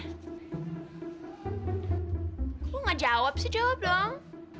kok lu nggak jawab sih jawab dong